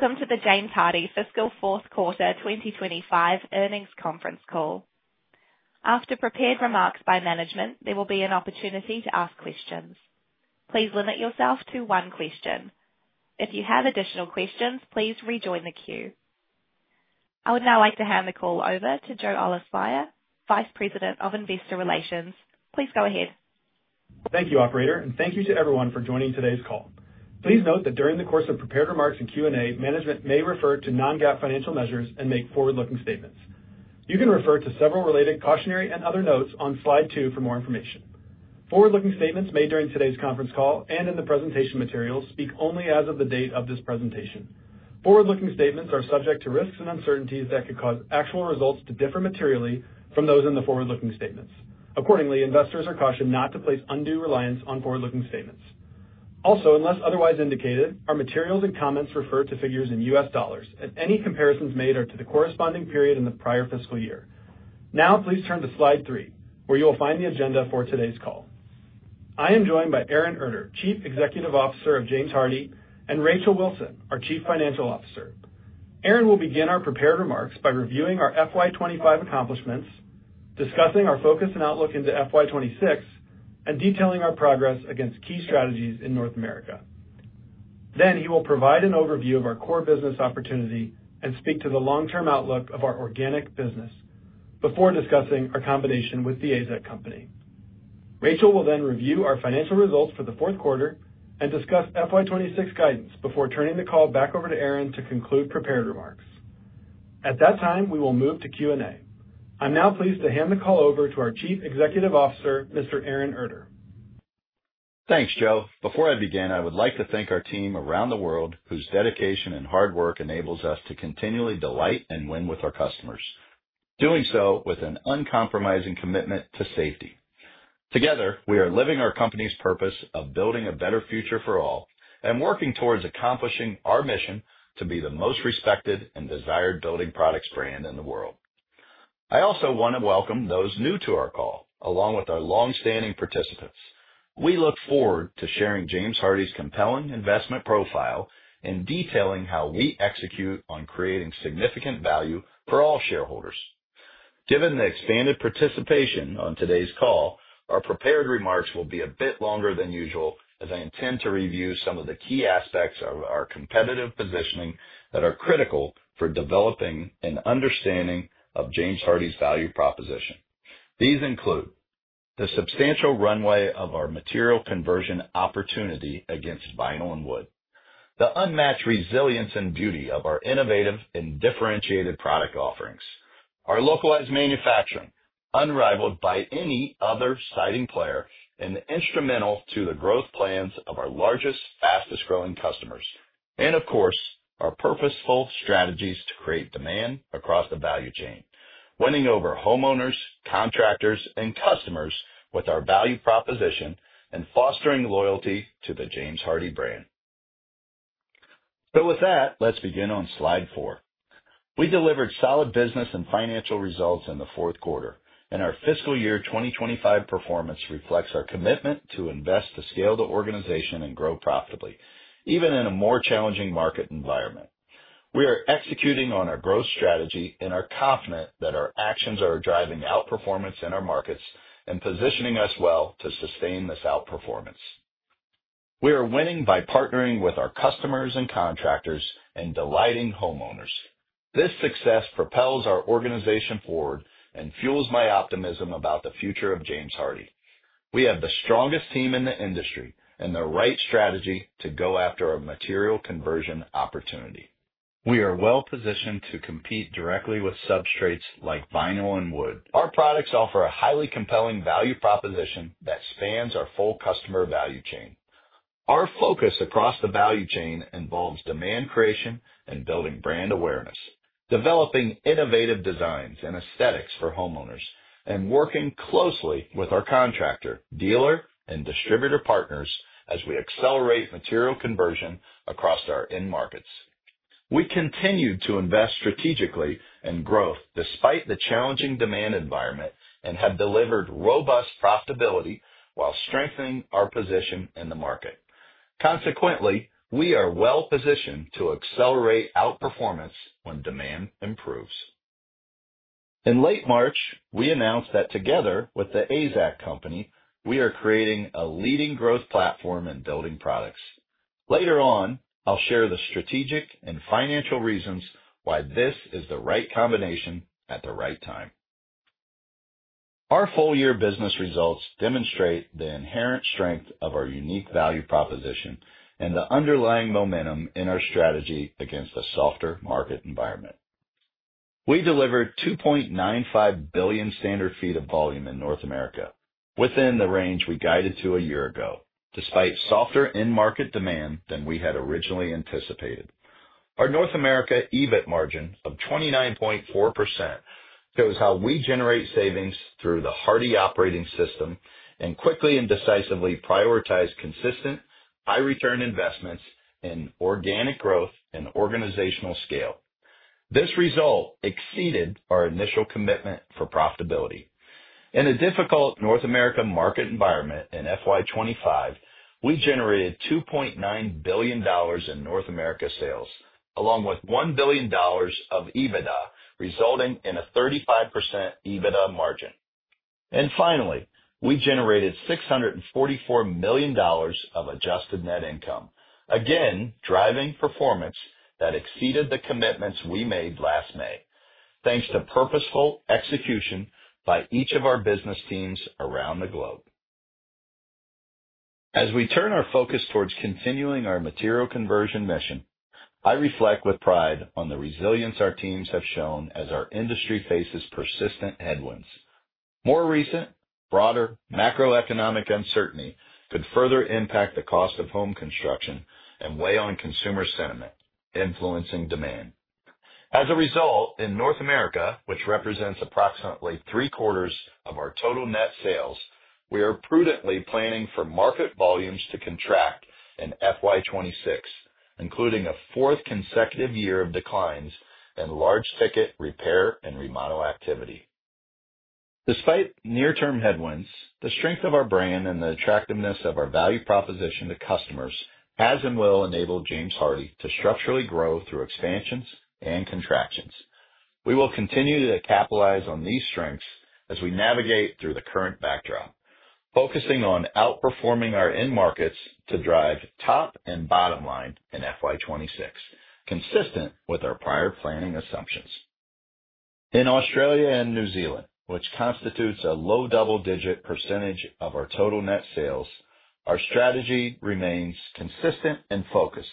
Welcome to the James Hardie fiscal fourth quarter 2025 earnings conference call. After prepared remarks by management, there will be an opportunity to ask questions. Please limit yourself to one question. If you have additional questions, please rejoin the queue. I would now like to hand the call over to Joe Ahlersmeyer, Vice President of Investor Relations. Please go ahead. Thank you, Operator, and thank you to everyone for joining today's call. Please note that during the course of prepared remarks and Q&A, management may refer to non-GAAP financial measures and make forward-looking statements. You can refer to several related cautionary and other notes on slide two for more information. Forward-looking statements made during today's conference call and in the presentation materials speak only as of the date of this presentation. Forward-looking statements are subject to risks and uncertainties that could cause actual results to differ materially from those in the forward-looking statements. Accordingly, investors are cautioned not to place undue reliance on forward-looking statements. Also, unless otherwise indicated, our materials and comments refer to figures in U.S dollars, and any comparisons made are to the corresponding period in the prior fiscal year. Now, please turn to slide three, where you will find the agenda for today's call. I am joined by Aaron Erter, Chief Executive Officer of James Hardie Industries, and Rachel Wilson, our Chief Financial Officer. Aaron will begin our prepared remarks by reviewing our FY2025 accomplishments, discussing our focus and outlook into FY2026, and detailing our progress against key strategies in North America. He will provide an overview of our core business opportunity and speak to the long-term outlook of our organic business before discussing our combination with The AZEK Company. Rachel will then review our financial results for the fourth quarter and discuss FY2026 guidance before turning the call back over to Aaron to conclude prepared remarks. At that time, we will move to Q&A. I'm now pleased to hand the call over to our Chief Executive Officer, Mr. Aaron Erter. Thanks, Joe. Before I begin, I would like to thank our team around the world whose dedication and hard work enables us to continually delight and win with our customers, doing so with an uncompromising commitment to safety. Together, we are living our company's purpose of building a better future for all and working towards accomplishing our mission to be the most respected and desired building products brand in the world. I also want to welcome those new to our call, along with our long-standing participants. We look forward to sharing James Hardie's compelling investment profile and detailing how we execute on creating significant value for all shareholders. Given the expanded participation on today's call, our prepared remarks will be a bit longer than usual, as I intend to review some of the key aspects of our competitive positioning that are critical for developing an understanding of James Hardie's value proposition. These include the substantial runway of our material conversion opportunity against vinyl and wood, the unmatched resilience and beauty of our innovative and differentiated product offerings, our localized manufacturing unrivaled by any other siding player, and the instrumental to the growth plans of our largest, fastest-growing customers. Of course, our purposeful strategies to create demand across the value chain, winning over homeowners, contractors, and customers with our value proposition and fostering loyalty to the James Hardie brand. With that, let's begin on slide four. We delivered solid business and financial results in the fourth quarter, and our fiscal year 2025 performance reflects our commitment to invest to scale the organization and grow profitably, even in a more challenging market environment. We are executing on our growth strategy and are confident that our actions are driving outperformance in our markets and positioning us well to sustain this outperformance. We are winning by partnering with our customers and contractors and delighting homeowners. This success propels our organization forward and fuels my optimism about the future of James Hardie. We have the strongest team in the industry and the right strategy to go after a material conversion opportunity. We are well-positioned to compete directly with substrates like vinyl and wood. Our products offer a highly compelling value proposition that spans our full customer value chain. Our focus across the value chain involves demand creation and building brand awareness, developing innovative designs and aesthetics for homeowners, and working closely with our contractor, dealer, and distributor partners as we accelerate material conversion across our end markets. We continue to invest strategically in growth despite the challenging demand environment and have delivered robust profitability while strengthening our position in the market. Consequently, we are well-positioned to accelerate outperformance when demand improves. In late March, we announced that together with The AZEK Company, we are creating a leading growth platform in building products. Later on, I'll share the strategic and financial reasons why this is the right combination at the right time. Our full-year business results demonstrate the inherent strength of our unique value proposition and the underlying momentum in our strategy against a softer market environment. We delivered 2.95 billion standard feet of volume in North America, within the range we guided to a year ago, despite softer end-market demand than we had originally anticipated. Our North America EBIT margin of 29.4% shows how we generate savings through the Hardie operating system and quickly and decisively prioritize consistent, high-return investments in organic growth and organizational scale. This result exceeded our initial commitment for profitability. In a difficult North America market environment in FY2025, we generated $2.9 billion in North America sales, along with $1 billion of EBITDA, resulting in a 35% EBITDA margin. Finally, we generated $644 million of Adjusted net income, again driving performance that exceeded the commitments we made last May, thanks to purposeful execution by each of our business teams around the globe. As we turn our focus towards continuing our material conversion mission, I reflect with pride on the resilience our teams have shown as our industry faces persistent headwinds. More recent, broader macroeconomic uncertainty could further impact the cost of home construction and weigh on consumer sentiment, influencing demand. As a result, in North America, which represents approximately three-quarters of our total net sales, we are prudently planning for market volumes to contract in FY2026, including a fourth consecutive year of declines and large-ticket repair and remodel activity. Despite near-term headwinds, the strength of our brand and the attractiveness of our value proposition to customers has and will enable James Hardie to structurally grow through expansions and contractions. We will continue to capitalize on these strengths as we navigate through the current backdrop, focusing on outperforming our end markets to drive top and bottom line in FY2026, consistent with our prior planning assumptions. In Australia and New Zealand, which constitutes a low double-digit percentage of our total net sales, our strategy remains consistent and focused.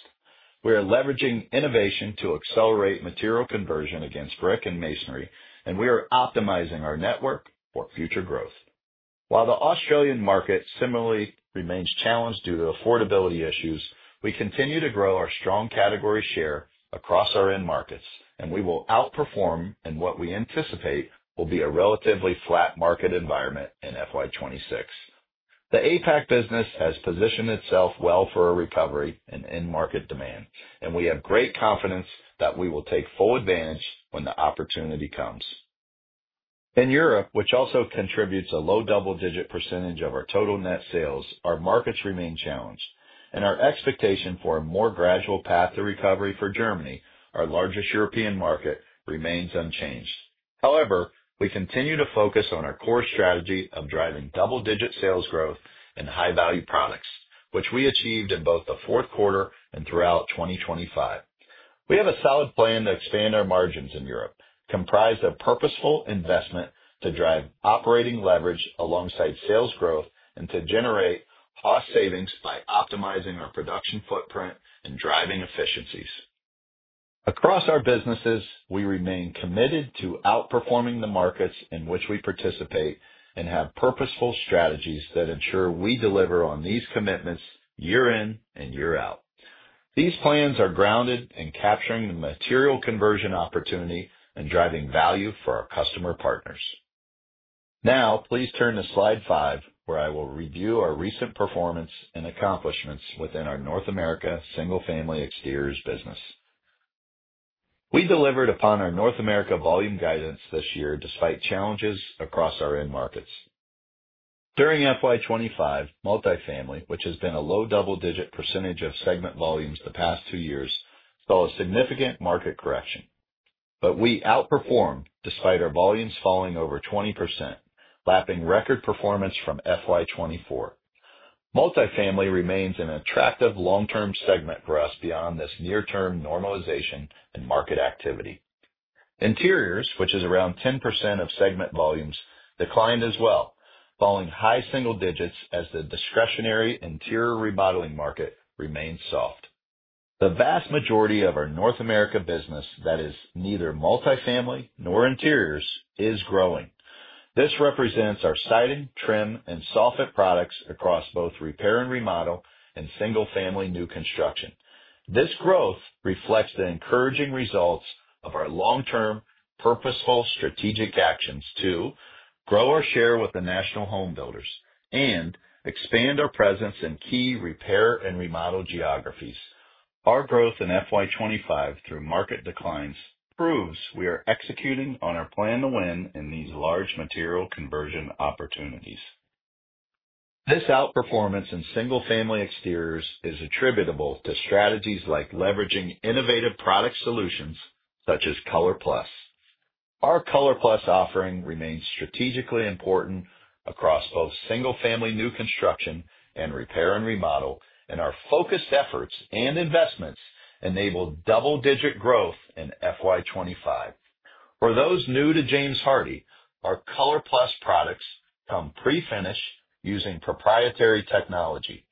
We are leveraging innovation to accelerate material conversion against brick and masonry, and we are optimizing our network for future growth. While the Australian market similarly remains challenged due to affordability issues, we continue to grow our strong category share across our end markets, and we will outperform in what we anticipate will be a relatively flat market environment in FY2026. The APAC business has positioned itself well for a recovery in end-market demand, and we have great confidence that we will take full advantage when the opportunity comes. In Europe, which also contributes a low double-digit percentage of our total net sales, our markets remain challenged, and our expectation for a more gradual path to recovery for Germany, our largest European market, remains unchanged. However, we continue to focus on our core strategy of driving double-digit sales growth in high-value products, which we achieved in both the fourth quarter and throughout 2025. We have a solid plan to expand our margins in Europe, comprised of purposeful investment to drive operating leverage alongside sales growth and to generate cost savings by optimizing our production footprint and driving efficiencies. Across our businesses, we remain committed to outperforming the markets in which we participate and have purposeful strategies that ensure we deliver on these commitments year in and year out. These plans are grounded in capturing the material conversion opportunity and driving value for our customer partners. Now, please turn to slide five, where I will review our recent performance and accomplishments within our North America single-family exteriors business. We delivered upon our North America volume guidance this year, despite challenges across our end markets. During FY2025, multifamily, which has been a low double-digit percentage of segment volumes the past two years, saw a significant market correction. We outperformed despite our volumes falling over 20%, lapping record performance from FY2024. Multifamily remains an attractive long-term segment for us beyond this near-term normalization in market activity. Interiors, which is around 10% of segment volumes, declined as well, falling high single digits as the discretionary interior remodeling market remains soft. The vast majority of our North America business that is neither multifamily nor interiors is growing. This represents our siding, trim, and soffit products across both repair and remodel and single-family new construction. This growth reflects the encouraging results of our long-term, purposeful strategic actions to grow our share with the national home builders and expand our presence in key repair and remodel geographies. Our growth in FY2025 through market declines proves we are executing on our plan to win in these large material conversion opportunities. This outperformance in single-family exteriors is attributable to strategies like leveraging innovative product solutions such as ColorPlus. Our ColorPlus offering remains strategically important across both single-family new construction and repair and remodel, and our focused efforts and investments enable double-digit growth in FY2025. For those new to James Hardie, our ColorPlus products come pre-finished using proprietary technology,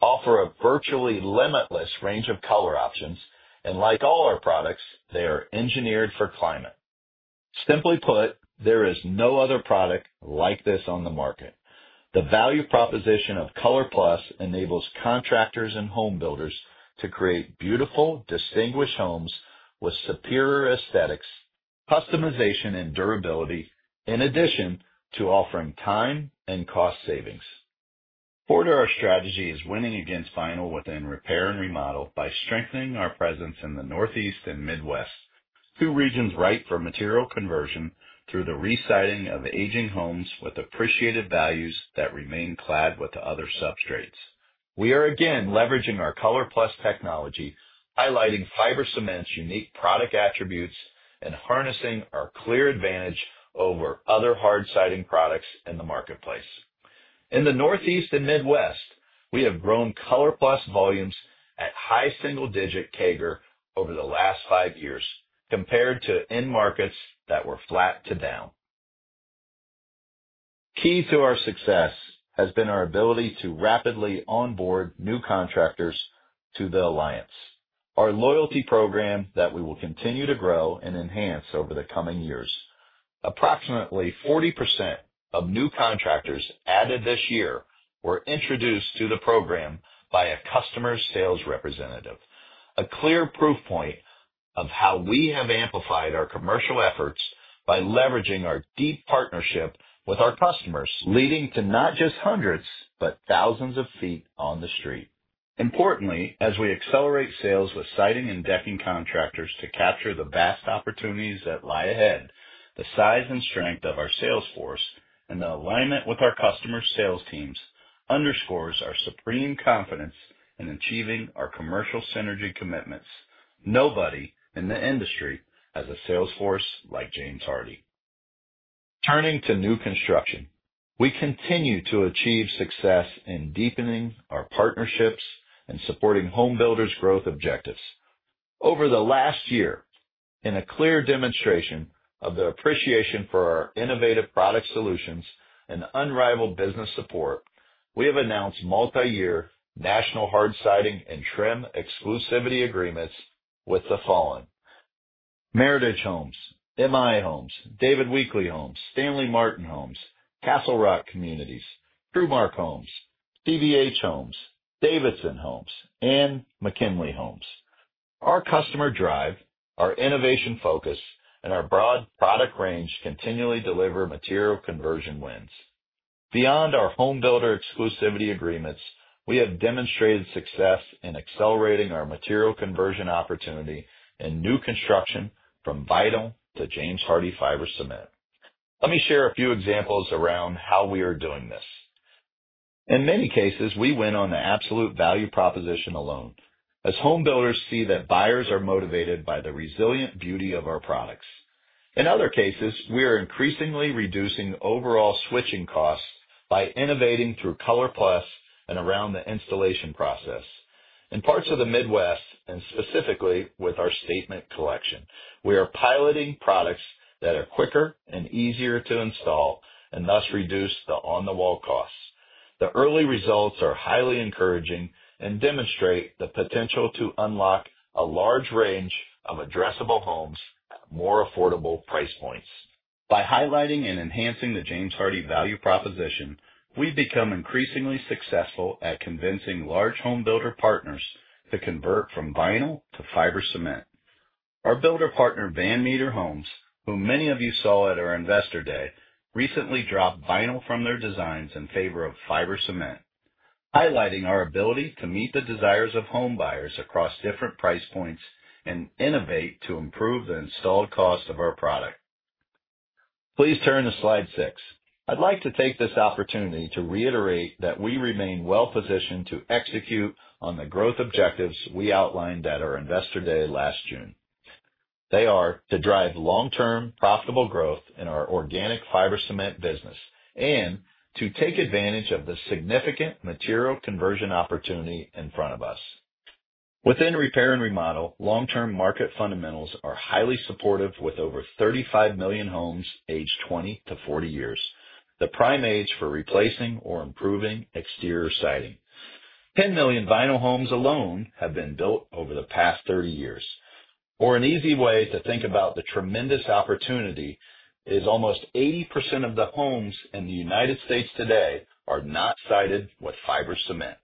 offer a virtually limitless range of color options, and like all our products, they are engineered for climate. Simply put, there is no other product like this on the market. The value proposition of Color Plus enables contractors and home builders to create beautiful, distinguished homes with superior aesthetics, customization, and durability, in addition to offering time and cost savings. Forward, our strategy is winning against vinyl within repair and remodel by strengthening our presence in the Northeast and Midwest, two regions ripe for material conversion through the residing of aging homes with appreciated values that remain clad with other substrates. We are again leveraging our Color Plus technology, highlighting fiber cement's unique product attributes and harnessing our clear advantage over other hard-siding products in the marketplace. In the Northeast and Midwest, we have grown Color Plus volumes at high single-digit CAGR over the last five years compared to end markets that were flat to down. Key to our success has been our ability to rapidly onboard new contractors to the alliance, our loyalty program that we will continue to grow and enhance over the coming years. Approximately 40% of new contractors added this year were introduced to the program by a customer sales representative, a clear proof point of how we have amplified our commercial efforts by leveraging our deep partnership with our customers, leading to not just hundreds but thousands of feet on the street. Importantly, as we accelerate sales with siding and decking contractors to capture the vast opportunities that lie ahead, the size and strength of our sales force and the alignment with our customer sales teams underscores our supreme confidence in achieving our commercial synergy commitments. Nobody in the industry has a sales force like James Hardie. Turning to new construction, we continue to achieve success in deepening our partnerships and supporting home builders' growth objectives. Over the last year, in a clear demonstration of the appreciation for our innovative product solutions and unrivaled business support, we have announced multi-year national hard-siding and trim exclusivity agreements with the following: Castle Rock Communities, CV Homes, David Weekley Homes, Davidson Homes, McKinley Homes, M/I Homes, Stanley Martin Homes, TruMark Homes, and Heritage Homes. Our customer drive, our innovation focus, and our broad product range continually deliver material conversion wins. Beyond our home builder exclusivity agreements, we have demonstrated success in accelerating our material conversion opportunity in new construction from vinyl to James Hardie fiber cement. Let me share a few examples around how we are doing this. In many cases, we win on the absolute value proposition alone, as home builders see that buyers are motivated by the resilient beauty of our products. In other cases, we are increasingly reducing overall switching costs by innovating through Color Plus and around the installation process. In parts of the Midwest, and specifically with our Statement Collection, we are piloting products that are quicker and easier to install and thus reduce the on-the-wall costs. The early results are highly encouraging and demonstrate the potential to unlock a large range of addressable homes at more affordable price points. By highlighting and enhancing the James Hardie value proposition, we become increasingly successful at convincing large home builder partners to convert from vinyl to fiber cement. Our builder partner, Van Meter Homes, whom many of you saw at our investor day, recently dropped vinyl from their designs in favor of fiber cement, highlighting our ability to meet the desires of home buyers across different price points and innovate to improve the installed cost of our product. Please turn to slide six. I would like to take this opportunity to reiterate that we remain well-positioned to execute on the growth objectives we outlined at our investor day last June. They are to drive long-term profitable growth in our organic fiber cement business and to take advantage of the significant material conversion opportunity in front of us. Within repair and remodel, long-term market fundamentals are highly supportive with over 35 million homes aged 20-40 years, the prime age for replacing or improving exterior siding. 10 million vinyl homes alone have been built over the past 30 years. Or an easy way to think about the tremendous opportunity is almost 80% of the homes in the United States today are not sided with fiber cement.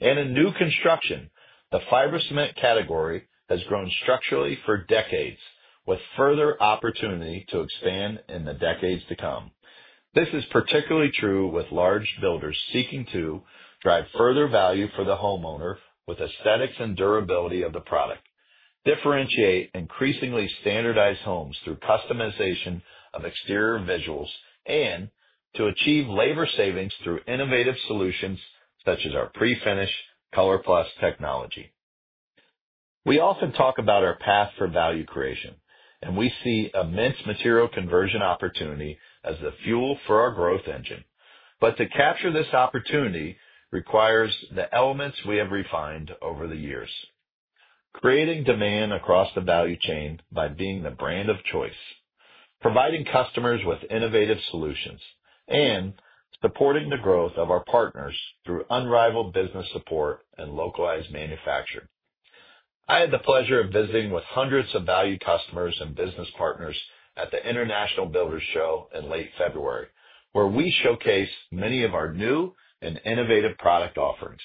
In new construction, the fiber cement category has grown structurally for decades, with further opportunity to expand in the decades to come. This is particularly true with large builders seeking to drive further value for the homeowner with aesthetics and durability of the product, differentiate increasingly standardized homes through customization of exterior visuals, and to achieve labor savings through innovative solutions such as our pre-finished ColorPlus technology. We often talk about our path for value creation, and we see immense material conversion opportunity as the fuel for our growth engine. To capture this opportunity requires the elements we have refined over the years: creating demand across the value chain by being the brand of choice, providing customers with innovative solutions, and supporting the growth of our partners through unrivaled business support and localized manufacturing. I had the pleasure of visiting with hundreds of valued customers and business partners at the International Builders Show in late February, where we showcase many of our new and innovative product offerings.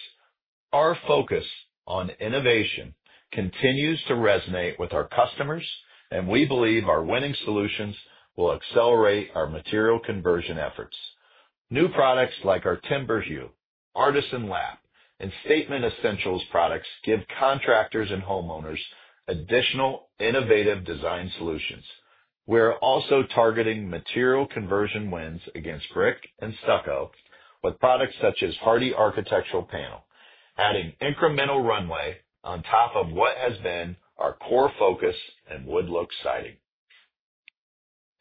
Our focus on innovation continues to resonate with our customers, and we believe our winning solutions will accelerate our material conversion efforts. New products like our Timber Hue, Artisan Lap, and Statement Essentials products give contractors and homeowners additional innovative design solutions. We are also targeting material conversion wins against brick and stucco with products such as Hardie Architectural Panel, adding incremental runway on top of what has been our core focus and wood-look siding.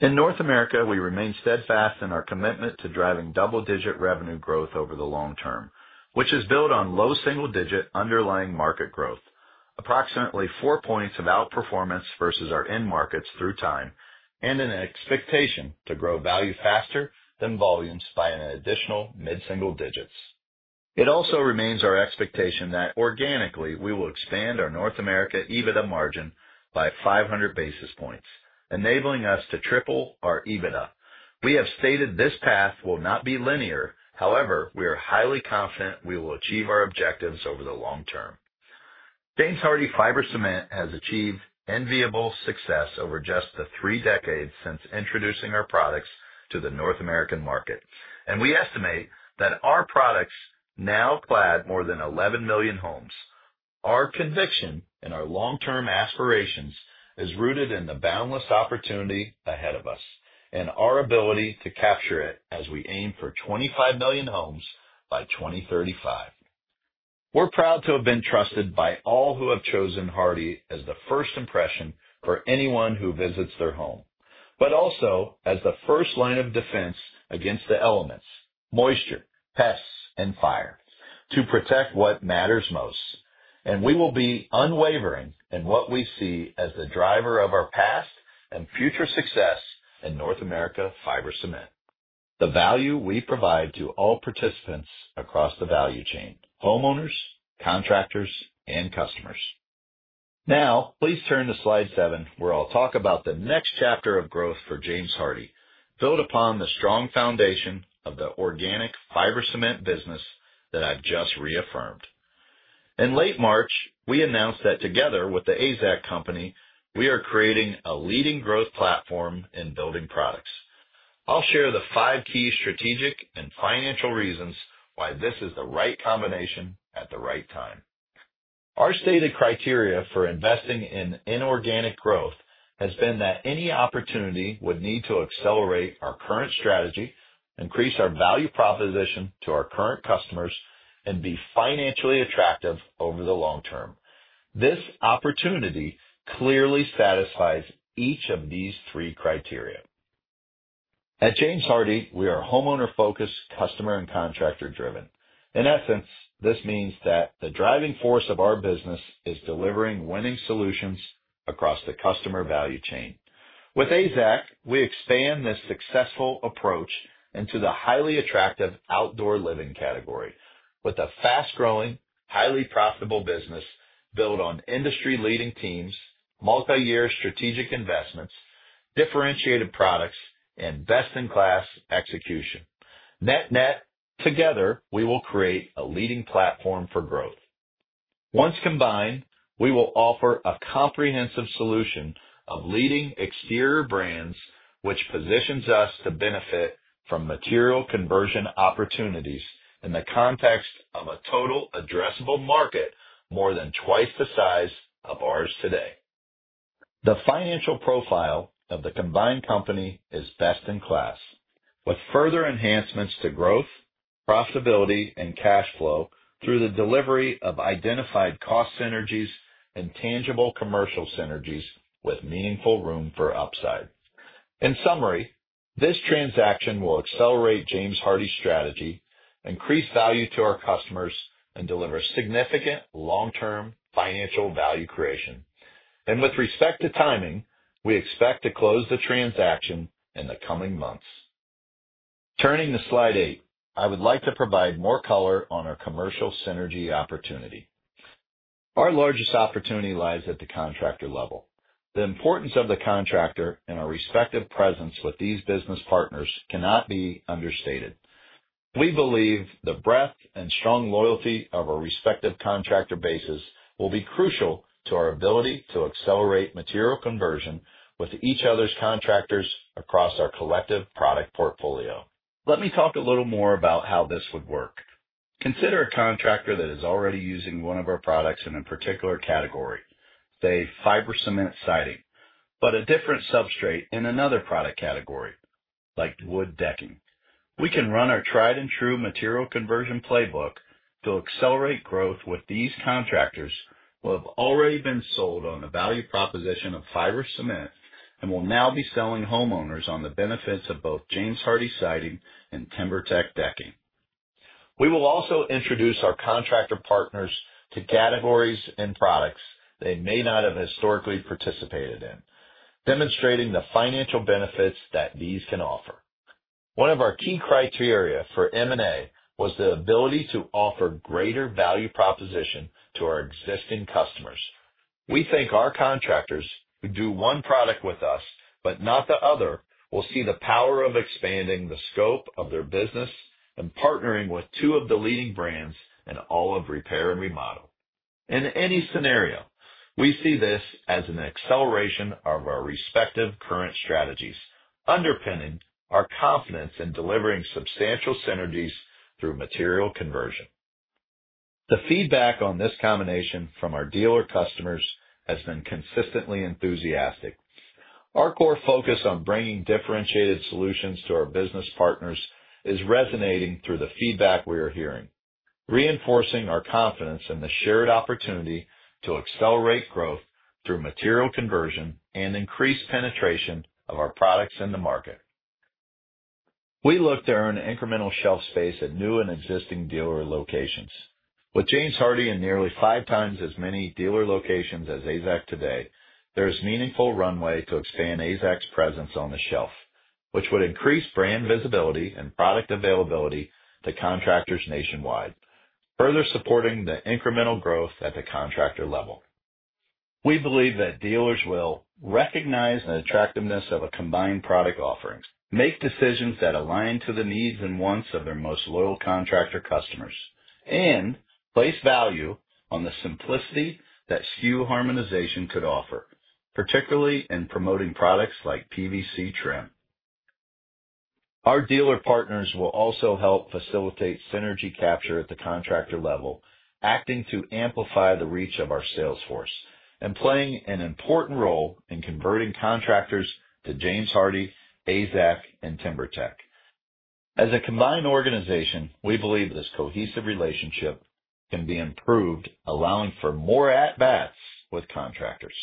In North America, we remain steadfast in our commitment to driving double-digit revenue growth over the long term, which is built on low single-digit underlying market growth, approximately four points of outperformance versus our end markets through time, and an expectation to grow value faster than volumes by an additional mid-single digits. It also remains our expectation that organically we will expand our North America EBITDA margin by 500 basis points, enabling us to triple our EBITDA. We have stated this path will not be linear; however, we are highly confident we will achieve our objectives over the long term. James Hardie fiber cement has achieved enviable success over just the three decades since introducing our products to the North American market, and we estimate that our products now clad more than 11 million homes. Our conviction and our long-term aspirations are rooted in the boundless opportunity ahead of us and our ability to capture it as we aim for 25 million homes by 2035. We are proud to have been trusted by all who have chosen Hardie as the first impression for anyone who visits their home, but also as the first line of defense against the elements, moisture, pests, and fire, to protect what matters most. We will be unwavering in what we see as the driver of our past and future success in North America fiber cement, the value we provide to all participants across the value chain: homeowners, contractors, and customers. Now, please turn to slide seven, where I'll talk about the next chapter of growth for James Hardie, built upon the strong foundation of the organic fiber cement business that I've just reaffirmed. In late March, we announced that together with The AZEK Company, we are creating a leading growth platform in building products. I'll share the five key strategic and financial reasons why this is the right combination at the right time. Our stated criteria for investing in inorganic growth has been that any opportunity would need to accelerate our current strategy, increase our value proposition to our current customers, and be financially attractive over the long term. This opportunity clearly satisfies each of these three criteria. At James Hardie, we are homeowner-focused, customer and contractor-driven. In essence, this means that the driving force of our business is delivering winning solutions across the customer value chain. With AZEK, we expand this successful approach into the highly attractive outdoor living category with a fast-growing, highly profitable business built on industry-leading teams, multi-year strategic investments, differentiated products, and best-in-class execution. Net-net, together, we will create a leading platform for growth. Once combined, we will offer a comprehensive solution of leading exterior brands, which positions us to benefit from material conversion opportunities in the context of a total addressable market more than twice the size of ours today. The financial profile of the combined company is best-in-class, with further enhancements to growth, profitability, and cash flow through the delivery of identified cost synergies and tangible commercial synergies with meaningful room for upside. In summary, this transaction will accelerate James Hardie's strategy, increase value to our customers, and deliver significant long-term financial value creation. With respect to timing, we expect to close the transaction in the coming months. Turning to slide eight, I would like to provide more color on our commercial synergy opportunity. Our largest opportunity lies at the contractor level. The importance of the contractor and our respective presence with these business partners cannot be understated. We believe the breadth and strong loyalty of our respective contractor bases will be crucial to our ability to accelerate material conversion with each other's contractors across our collective product portfolio. Let me talk a little more about how this would work. Consider a contractor that is already using one of our products in a particular category, say fiber cement siding, but a different substrate in another product category, like wood decking. We can run our tried-and-true material conversion playbook to accelerate growth with these contractors who have already been sold on the value proposition of fiber cement and will now be selling homeowners on the benefits of both James Hardie siding and TimberTech decking. We will also introduce our contractor partners to categories and products they may not have historically participated in, demonstrating the financial benefits that these can offer. One of our key criteria for M&A was the ability to offer greater value proposition to our existing customers. We think our contractors who do one product with us but not the other will see the power of expanding the scope of their business and partnering with two of the leading brands in all of repair and remodel. In any scenario, we see this as an acceleration of our respective current strategies, underpinning our confidence in delivering substantial synergies through material conversion. The feedback on this combination from our dealer customers has been consistently enthusiastic. Our core focus on bringing differentiated solutions to our business partners is resonating through the feedback we are hearing, reinforcing our confidence in the shared opportunity to accelerate growth through material conversion and increased penetration of our products in the market. We look to earn incremental shelf space at new and existing dealer locations. With James Hardie in nearly 5x as many dealer locations as AZEK today, there is a meaningful runway to expand AZEK's presence on the shelf, which would increase brand visibility and product availability to contractors nationwide, further supporting the incremental growth at the contractor level. We believe that dealers will recognize the attractiveness of a combined product offering, make decisions that align to the needs and wants of their most loyal contractor customers, and place value on the simplicity that SKU harmonization could offer, particularly in promoting products like PVC trim. Our dealer partners will also help facilitate synergy capture at the contractor level, acting to amplify the reach of our salesforce and playing an important role in converting contractors to James Hardie, AZEK, and TimberTech. As a combined organization, we believe this cohesive relationship can be improved, allowing for more at-bats with contractors.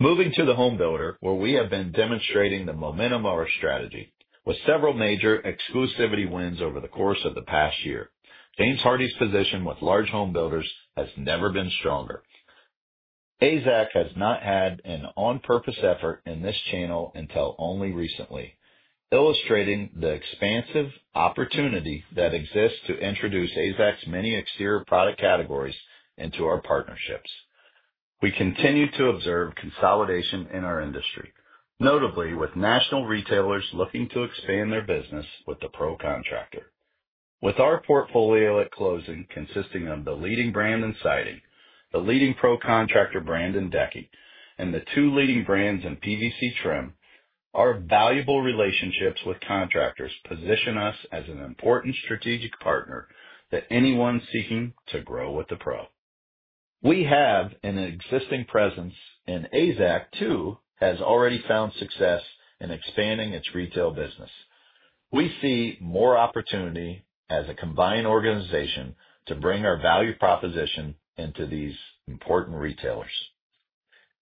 Moving to the home builder, where we have been demonstrating the momentum of our strategy with several major exclusivity wins over the course of the past year, James Hardie's position with large home builders has never been stronger. AZEK has not had an on-purpose effort in this channel until only recently, illustrating the expansive opportunity that exists to introduce AZEK's many exterior product categories into our partnerships. We continue to observe consolidation in our industry, notably with national retailers looking to expand their business with the pro contractor. With our portfolio at closing consisting of the leading brand in siding, the leading pro contractor brand in decking, and the two leading brands in PVC trim, our valuable relationships with contractors position us as an important strategic partner to anyone seeking to grow with the pro. We have an existing presence, and AZEK too has already found success in expanding its retail business. We see more opportunity as a combined organization to bring our value proposition into these important retailers.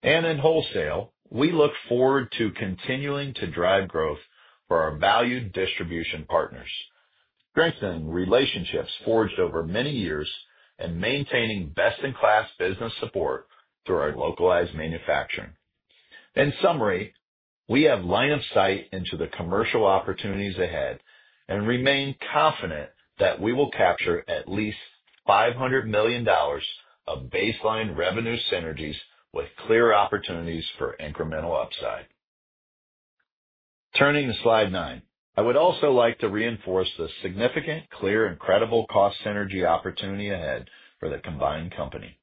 In wholesale, we look forward to continuing to drive growth for our valued distribution partners, strengthening relationships forged over many years, and maintaining best-in-class business support through our localized manufacturing. In summary, we have line of sight into the commercial opportunities ahead and remain confident that we will capture at least $500 million of baseline revenue synergies with clear opportunities for incremental upside. Turning to slide nine, I would also like to reinforce the significant, clear, and credible cost synergy opportunity ahead for the combined company.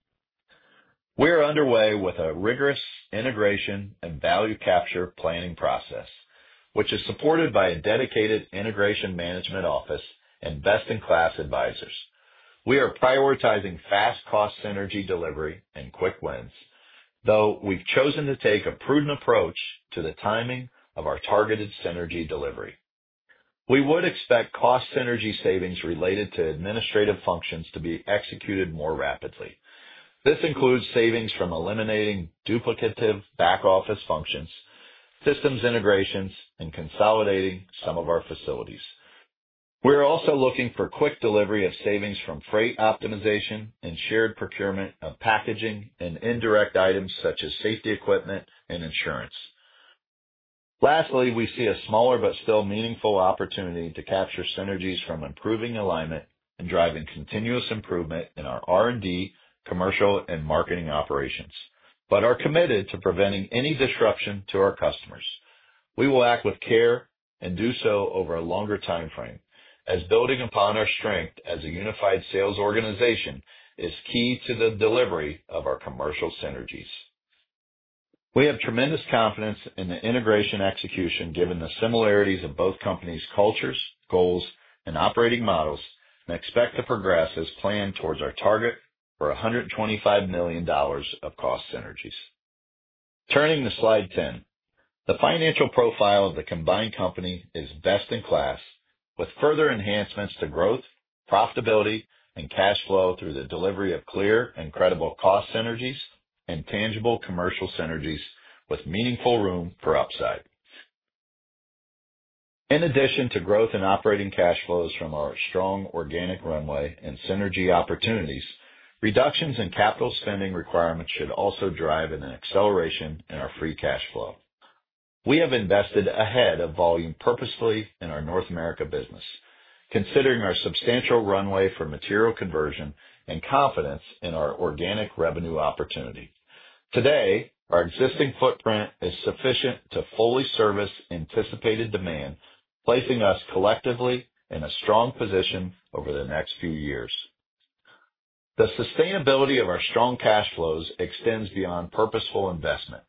We are underway with a rigorous integration and value capture planning process, which is supported by a dedicated integration management office and best-in-class advisors. We are prioritizing fast cost synergy delivery and quick wins, though we have chosen to take a prudent approach to the timing of our targeted synergy delivery. We would expect cost synergy savings related to administrative functions to be executed more rapidly. This includes savings from eliminating duplicative back-office functions, systems integrations, and consolidating some of our facilities. We are also looking for quick delivery of savings from freight optimization and shared procurement of packaging and indirect items such as safety equipment and insurance. Lastly, we see a smaller but still meaningful opportunity to capture synergies from improving alignment and driving continuous improvement in our R&D, commercial, and marketing operations, but are committed to preventing any disruption to our customers. We will act with care and do so over a longer timeframe, as building upon our strength as a unified sales organization is key to the delivery of our commercial synergies. We have tremendous confidence in the integration execution, given the similarities of both companies' cultures, goals, and operating models, and expect to progress as planned towards our target for $125 million of cost synergies. Turning to slide 10, the financial profile of the combined company is best-in-class, with further enhancements to growth, profitability, and cash flow through the delivery of clear and credible cost synergies and tangible commercial synergies with meaningful room for upside. In addition to growth in operating cash flows from our strong organic runway and synergy opportunities, reductions in capital spending requirements should also drive an acceleration in our free cash flow. We have invested ahead of volume purposefully in our North America business, considering our substantial runway for material conversion and confidence in our organic revenue opportunity. Today, our existing footprint is sufficient to fully service anticipated demand, placing us collectively in a strong position over the next few years. The sustainability of our strong cash flows extends beyond purposeful investment.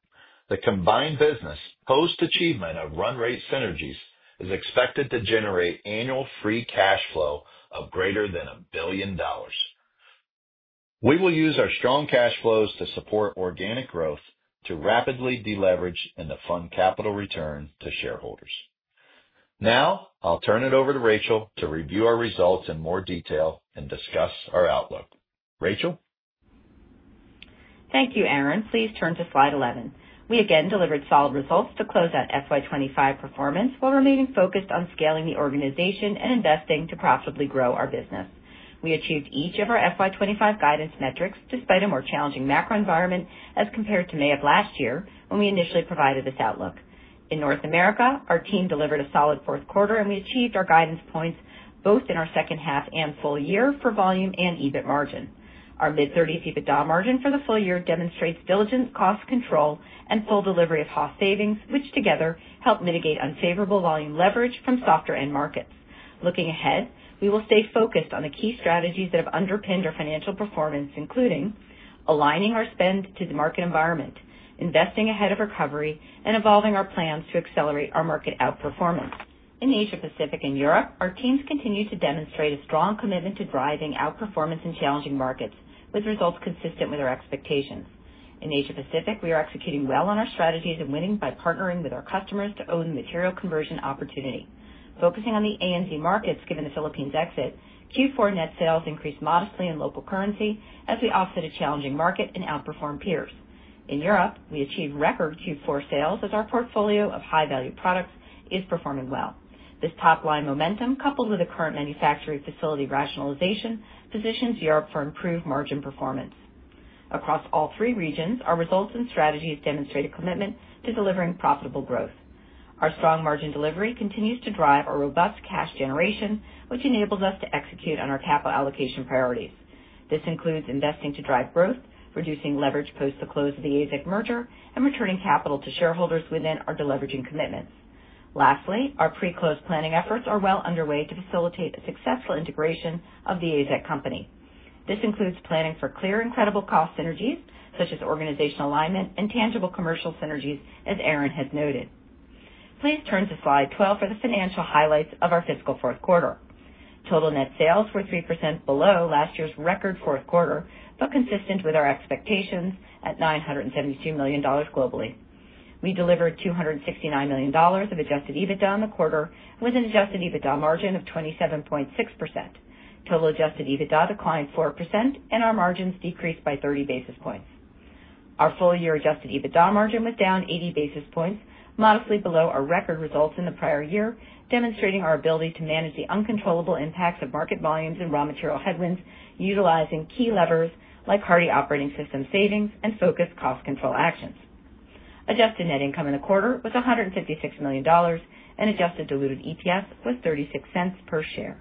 The combined business post-achievement of run rate synergies is expected to generate annual free cash flow of greater than $1 billion. We will use our strong cash flows to support organic growth to rapidly deleverage and to fund capital return to shareholders. Now, I'll turn it over to Rachel to review our results in more detail and discuss our outlook. Rachel? Thank you, Aaron. Please turn to slide 11. We again delivered solid results to close out FY2025 performance while remaining focused on scaling the organization and investing to profitably grow our business. We achieved each of our FY2025 guidance metrics despite a more challenging macro environment as compared to May of last year when we initially provided this outlook. In North America, our team delivered a solid fourth quarter, and we achieved our guidance points both in our second half and full year for volume and EBIT margin. Our mid-30s EBITDA margin for the full year demonstrates diligent cost control and full delivery of cost savings, which together help mitigate unfavorable volume leverage from softer end markets. Looking ahead, we will stay focused on the key strategies that have underpinned our financial performance, including aligning our spend to the market environment, investing ahead of recovery, and evolving our plans to accelerate our market outperformance. In Asia-Pacific and Europe, our teams continue to demonstrate a strong commitment to driving outperformance in challenging markets, with results consistent with our expectations. In Asia-Pacific, we are executing well on our strategies and winning by partnering with our customers to own the material conversion opportunity. Focusing on the ANZ markets, given the Philippines exit, Q4 net sales increased modestly in local currency as we offset a challenging market and outperform peers. In Europe, we achieved record Q4 sales as our portfolio of high-value products is performing well. This top-line momentum, coupled with the current manufacturing facility rationalization, positions Europe for improved margin performance. Across all three regions, our results and strategies demonstrate a commitment to delivering profitable growth. Our strong margin delivery continues to drive our robust cash generation, which enables us to execute on our capital allocation priorities. This includes investing to drive growth, reducing leverage post-the-close of the AZEK merger, and returning capital to shareholders within our deleveraging commitments. Lastly, our pre-close planning efforts are well underway to facilitate a successful integration of The AZEK Company. This includes planning for clear and credible cost synergies such as organizational alignment and tangible commercial synergies, as Aaron has noted. Please turn to slide 12 for the financial highlights of our fiscal fourth quarter. Total net sales were 3% below last year's record fourth quarter, but consistent with our expectations at $972 million globally. We delivered $269 million of Adjusted EBITDA in the quarter with an Adjusted EBITDA margin of 27.6%. Total Adjusted EBITDA declined 4%, and our margins decreased by 30 basis points. Our full-year Adjusted EBITDA margin was down 80 basis points, modestly below our record results in the prior year, demonstrating our ability to manage the uncontrollable impacts of market volumes and raw material headwinds utilizing key levers like Hardie operating system savings and focused cost control actions. Adjusted net income in the quarter was $156 million, and Adjusted diluted EPS was $0.36 per share.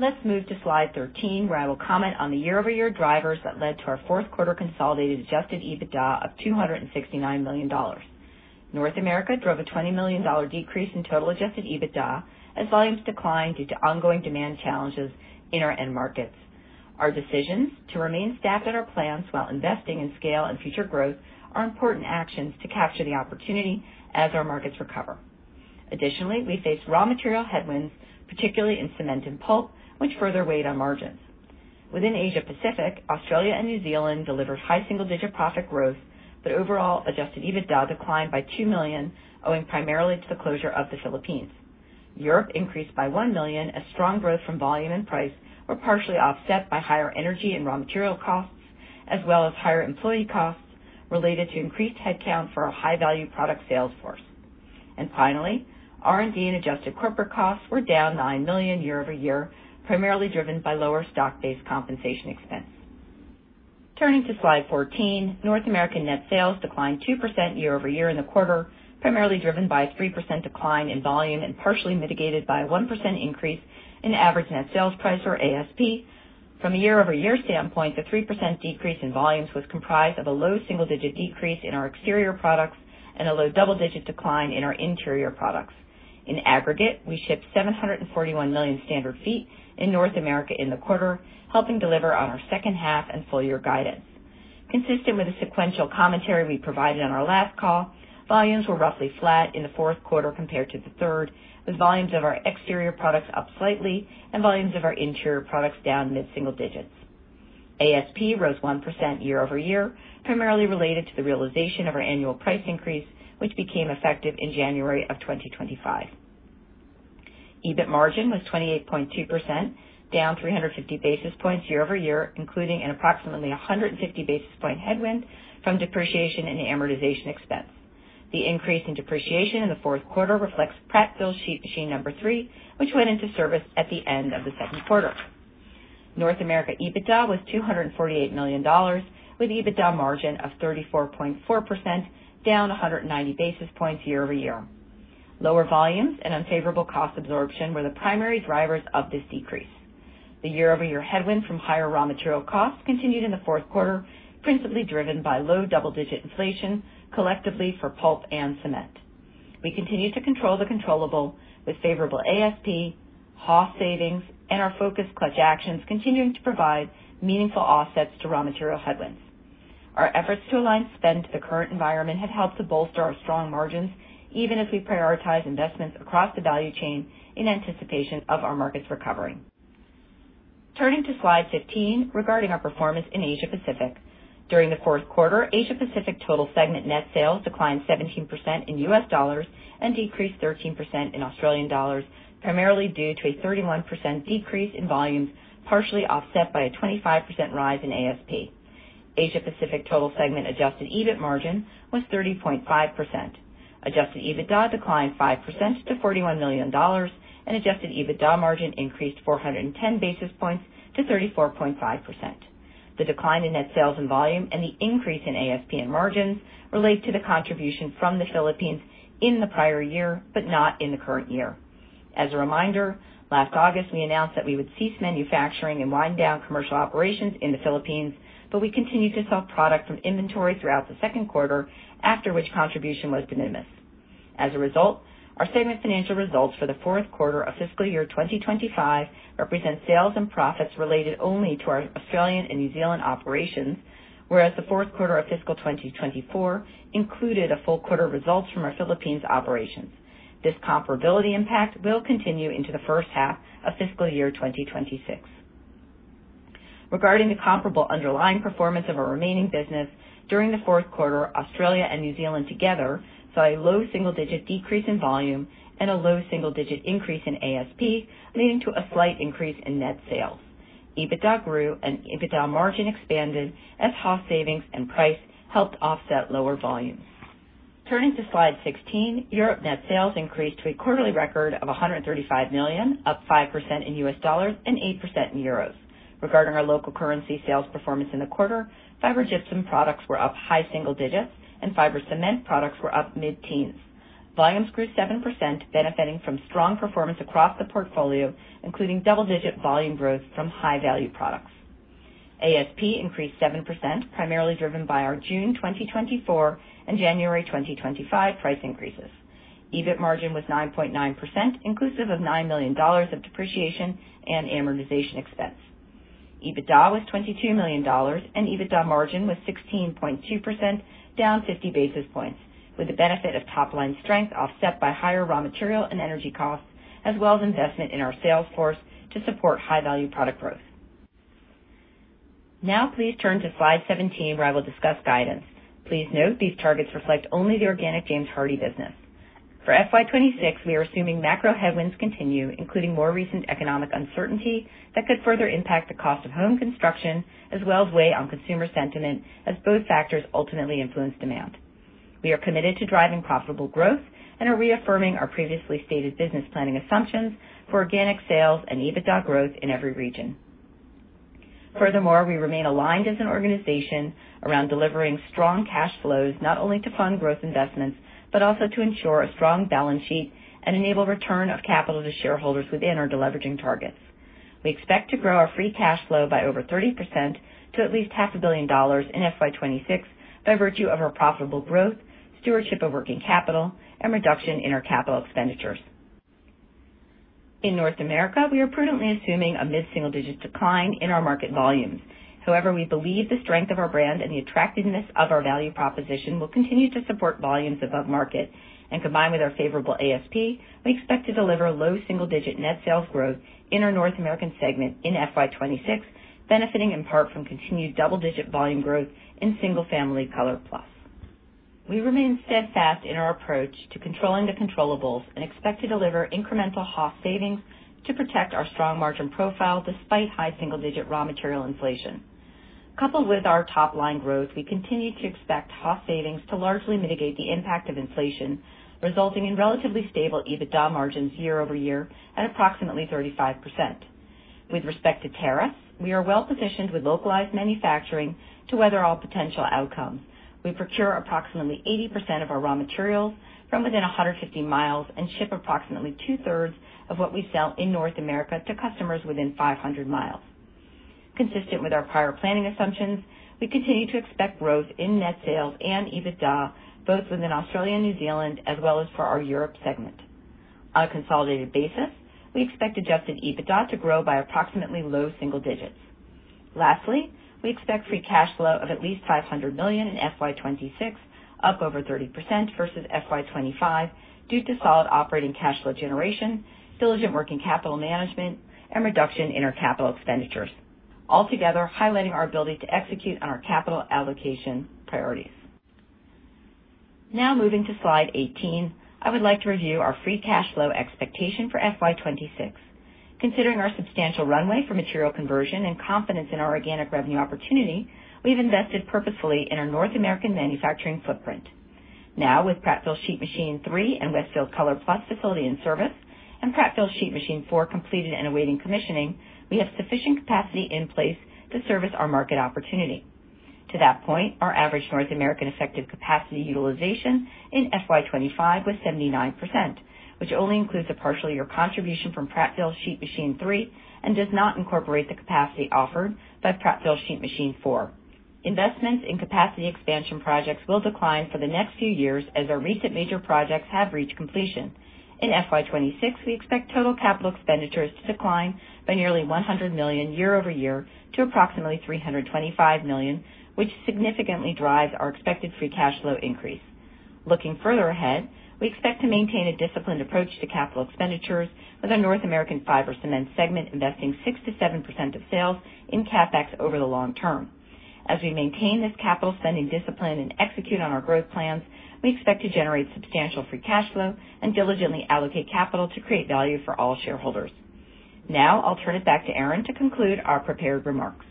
Let's move to slide 13, where I will comment on the year-over-year drivers that led to our fourth quarter consolidated Adjusted EBITDA of $269 million. North America drove a $20 million decrease in total Adjusted EBITDA as volumes declined due to ongoing demand challenges in our end markets. Our decisions to remain stacked at our plants while investing in scale and future growth are important actions to capture the opportunity as our markets recover. Additionally, we faced raw material headwinds, particularly in cement and pulp, which further weighed on margins. Within Asia-Pacific, Australia and New Zealand delivered high single-digit profit growth, but overall Adjusted EBITDA declined by $2 million, owing primarily to the closure of the Philippines. Europe increased by $1 million as strong growth from volume and price were partially offset by higher energy and raw material costs, as well as higher employee costs related to increased headcount for a high-value product sales force. R&D and adjusted corporate costs were down $9 million year-over-year, primarily driven by lower stock-based compensation expense. Turning to slide 14, North American net sales declined 2% year-over-year in the quarter, primarily driven by a 3% decline in volume and partially mitigated by a 1% increase in average net sales price, or ASP. From a year-over-year standpoint, the 3% decrease in volumes was comprised of a low single-digit decrease in our exterior products and a low double-digit decline in our interior products. In aggregate, we shipped 741 million standard feet in North America in the quarter, helping deliver on our second half and full-year guidance. Consistent with the sequential commentary we provided on our last call, volumes were roughly flat in the fourth quarter compared to the third, with volumes of our exterior products up slightly and volumes of our interior products down mid-single digits. ASP rose 1% year-over-year, primarily related to the realization of our annual price increase, which became effective in January of 2025. EBIT margin was 28.2%, down 350 basis points year-over-year, including an approximately 150 basis point headwind from depreciation and amortization expense. The increase in depreciation in the fourth quarter reflects Pratt-Fills Sheet Machine number three, which went into service at the end of the second quarter. North America EBITDA was $248 million, with EBITDA margin of 34.4%, down 190 basis points year-over-year. Lower volumes and unfavorable cost absorption were the primary drivers of this decrease. The year-over-year headwind from higher raw material costs continued in the fourth quarter, principally driven by low double-digit inflation collectively for pulp and cement. We continued to control the controllable with favorable ASP, cost savings, and our focused clutch actions continuing to provide meaningful offsets to raw material headwinds. Our efforts to align spend to the current environment have helped to bolster our strong margins, even as we prioritize investments across the value chain in anticipation of our markets recovering. Turning to slide 15 regarding our performance in Asia-Pacific. During the fourth quarter, Asia-Pacific total segment net sales declined 17% in U.S. dollars and decreased 13% in Australian dollars, primarily due to a 31% decrease in volumes, partially offset by a 25% rise in ASP. Asia-Pacific total segment Adjusted EBIT margin was 30.5%. Adjusted EBITDA declined 5% to $41 million, and Adjusted EBITDA margin increased 410 basis points to 34.5%. The decline in net sales and volume and the increase in ASP and margins relate to the contribution from the Philippines in the prior year, but not in the current year. As a reminder, last August, we announced that we would cease manufacturing and wind down commercial operations in the Philippines, but we continued to sell product from inventory throughout the second quarter, after which contribution was diminished. As a result, our segment financial results for the fourth quarter of fiscal year 2025 represent sales and profits related only to our Australian and New Zealand operations, whereas the fourth quarter of fiscal 2024 included a full quarter results from our Philippines operations. This comparability impact will continue into the first half of fiscal year 2026. Regarding the comparable underlying performance of our remaining business, during the fourth quarter, Australia and New Zealand together saw a low single-digit decrease in volume and a low single-digit increase in ASP, leading to a slight increase in net sales. EBITDA grew and EBITDA margin expanded as cost savings and price helped offset lower volumes. Turning to slide 16, Europe net sales increased to a quarterly record of $135 million, up 5% in US dollars and 8% in euros. Regarding our local currency sales performance in the quarter, fiber gypsum products were up high single digits, and fiber cement products were up mid-teens. Volumes grew 7%, benefiting from strong performance across the portfolio, including double-digit volume growth from high-value products. ASP increased 7%, primarily driven by our June 2024 and January 2025 price increases. EBIT margin was 9.9%, inclusive of $9 million of depreciation and amortization expense. EBITDA was $22 million, and EBITDA margin was 16.2%, down 50 basis points, with the benefit of top-line strength offset by higher raw material and energy costs, as well as investment in our sales force to support high-value product growth. Now, please turn to slide 17, where I will discuss guidance. Please note these targets reflect only the organic James Hardie business. For FY2026, we are assuming macro headwinds continue, including more recent economic uncertainty that could further impact the cost of home construction, as well as weigh on consumer sentiment, as both factors ultimately influence demand. We are committed to driving profitable growth and are reaffirming our previously stated business planning assumptions for organic sales and EBITDA growth in every region. Furthermore, we remain aligned as an organization around delivering strong cash flows not only to fund growth investments, but also to ensure a strong balance sheet and enable return of capital to shareholders within our deleveraging targets. We expect to grow our free cash flow by over 30% to at least $500 billion in FY2026 by virtue of our profitable growth, stewardship of working capital, and reduction in our capital expenditures. In North America, we are prudently assuming a mid-single digit decline in our market volumes. However, we believe the strength of our brand and the attractiveness of our value proposition will continue to support volumes above market. Combined with our favorable ASP, we expect to deliver low single-digit net sales growth in our North American segment in FY2026, benefiting in part from continued double-digit volume growth in single-family Color Plus. We remain steadfast in our approach to controlling the controllable and expect to deliver incremental cost savings to protect our strong margin profile despite high single-digit raw material inflation. Coupled with our top-line growth, we continue to expect cost savings to largely mitigate the impact of inflation, resulting in relatively stable EBITDA margins year-over-year at approximately 35%. With respect to tariffs, we are well positioned with localized manufacturing to weather all potential outcomes. We procure approximately 80% of our raw materials from within 150 mi and ship approximately 2/3 of what we sell in North America to customers within 500 mi. Consistent with our prior planning assumptions, we continue to expect growth in net sales and EBITDA, both within Australia and New Zealand, as well as for our Europe segment. On a consolidated basis, we expect Adjusted EBITDA to grow by approximately low single digits. Lastly, we expect free cash flow of at least $500 million in FY2026, up over 30% versus FY2025, due to solid operating cash flow generation, diligent working capital management, and reduction in our capital expenditures, altogether highlighting our ability to execute on our capital allocation priorities. Now, moving to slide 18, I would like to review our free cash flow expectation for FY2026. Considering our substantial runway for material conversion and confidence in our organic revenue opportunity, we have invested purposefully in our North American manufacturing footprint. Now, with Pratt-Fills Sheet Machine 3 and Westfield ColorPlus facility in service and Pratt-Fills Sheet Machine 4 completed and awaiting commissioning, we have sufficient capacity in place to service our market opportunity. To that point, our average North American effective capacity utilization in FY2025 was 79%, which only includes a partial year contribution from Pratt-Fills Sheet Machine 3 and does not incorporate the capacity offered by Pratt-Fills Sheet Machine 4. Investments in capacity expansion projects will decline for the next few years as our recent major projects have reached completion. In FY2026, we expect total capital expenditures to decline by nearly $100 million year-over-year to approximately $325 million, which significantly drives our expected free cash flow increase. Looking further ahead, we expect to maintain a disciplined approach to capital expenditures with our North American fiber cement segment investing 6%-7% of sales in CapEx over the long term. As we maintain this capital spending discipline and execute on our growth plans, we expect to generate substantial free cash flow and diligently allocate capital to create value for all shareholders. Now, I'll turn it back to Aaron to conclude our prepared remarks.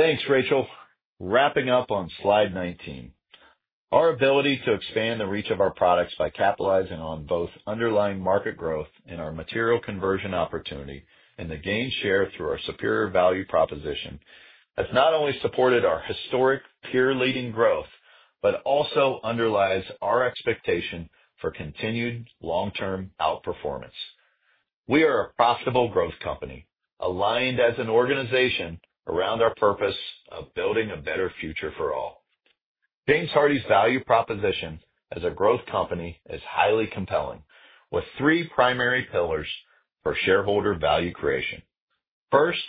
Thanks, Rachel. Wrapping up on slide 19, our ability to expand the reach of our products by capitalizing on both underlying market growth and our material conversion opportunity and the gain share through our superior value proposition has not only supported our historic peer-leading growth, but also underlies our expectation for continued long-term outperformance. We are a profitable growth company, aligned as an organization around our purpose of building a better future for all. James Hardie's value proposition as a growth company is highly compelling, with three primary pillars for shareholder value creation. First,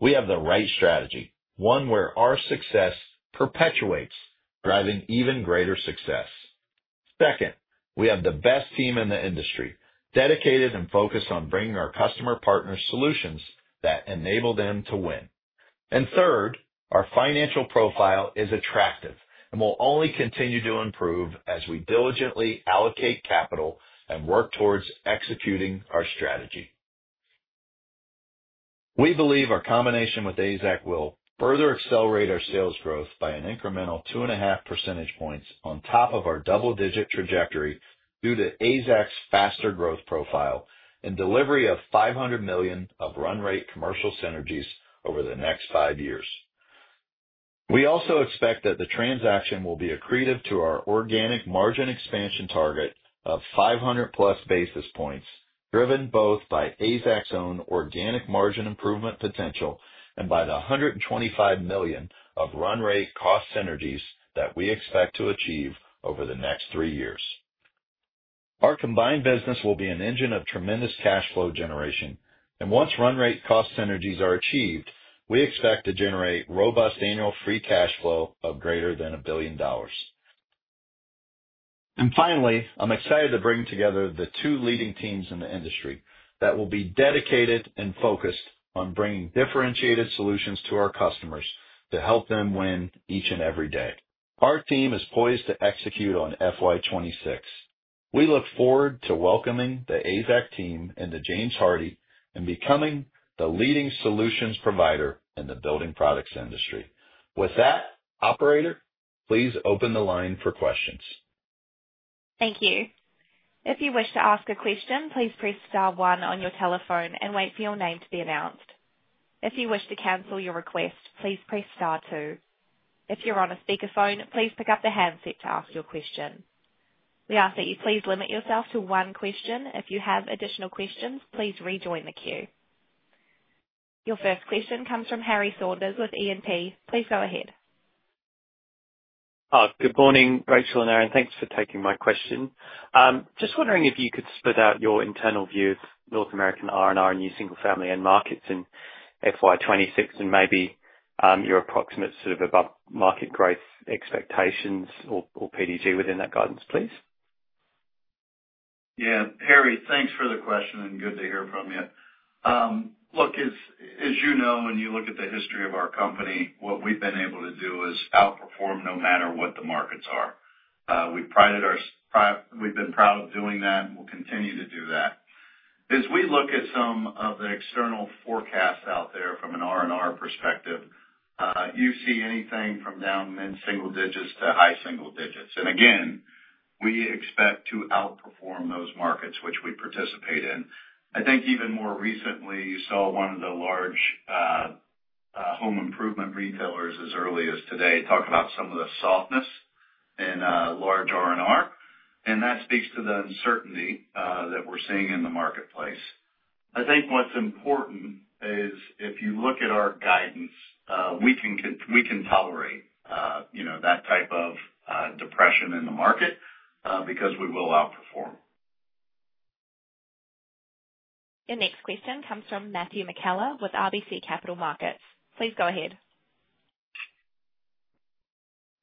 we have the right strategy, one where our success perpetuates, driving even greater success. Second, we have the best team in the industry, dedicated and focused on bringing our customer partners solutions that enable them to win. Third, our financial profile is attractive and will only continue to improve as we diligently allocate capital and work towards executing our strategy. We believe our combination with ASAC will further accelerate our sales growth by an incremental 2.5% on top of our double-digit trajectory due to ASAC's faster growth profile and delivery of $500 million of run-rate commercial synergies over the next five years. We also expect that the transaction will be accretive to our organic margin expansion target of 500+ basis points, driven both by ASAC's own organic margin improvement potential and by the $125 million of run-rate cost synergies that we expect to achieve over the next three years. Our combined business will be an engine of tremendous cash flow generation, and once run-rate cost synergies are achieved, we expect to generate robust annual free cash flow of greater than $1 billion. Finally, I'm excited to bring together the two leading teams in the industry that will be dedicated and focused on bringing differentiated solutions to our customers to help them win each and every day. Our team is poised to execute on FY2026. We look forward to welcoming the ASAC team and James Hardie and becoming the leading solutions provider in the building products industry. With that, Operator, please open the line for questions. Thank you. If you wish to ask a question, please press star one on your telephone and wait for your name to be announced. If you wish to cancel your request, please press star two. If you're on a speakerphone, please pick up the handset to ask your question. We ask that you please limit yourself to one question. If you have additional questions, please rejoin the queue. Your first question comes from Harry Saunders with E&P. Please go ahead. Good morning, Rachel and Aaron. Thanks for taking my question. Just wondering if you could split out your internal view of North American R&R and new single-family end markets in FY2026 and maybe your approximate sort of about market growth expectations or PDG within that guidance, please. Yeah, Harry, thanks for the question and good to hear from you. Look, as you know, when you look at the history of our company, what we've been able to do is outperform no matter what the markets are. We've been proud of doing that and we'll continue to do that. As we look at some of the external forecasts out there from an R&R perspective, you see anything from down mid-single digits to high single digits. Again, we expect to outperform those markets which we participate in. I think even more recently, you saw one of the large home improvement retailers as early as today talk about some of the softness in large R&R, and that speaks to the uncertainty that we're seeing in the marketplace. I think what's important is if you look at our guidance, we can tolerate that type of depression in the market because we will outperform. Your next question comes from Matthew McKellar with RBC Capital Markets. Please go ahead.